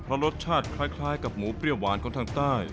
เพราะรสชาติคล้ายกับหมูเปรี้ยวหวานของทางใต้